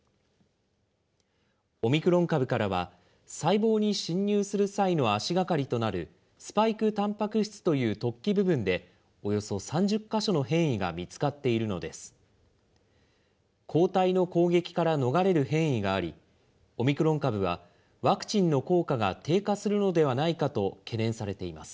オミクロン株からは、細胞に侵入する際の足がかりとなるスパイクたんぱく質という突起部分で、およそ３０か所の変異が見つかっているのです。